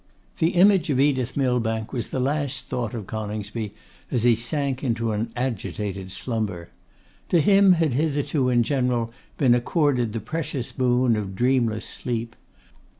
The image of Edith Millbank was the last thought of Coningsby, as he sank into an agitated slumber. To him had hitherto in general been accorded the precious boon of dreamless sleep.